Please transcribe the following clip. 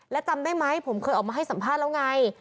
แล้วจำได้ไหมผมเคยออกมาให้สัมภาษณ์แล้วไง